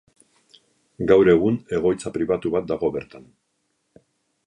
Gaur egun egoitza pribatu bat dago bertan.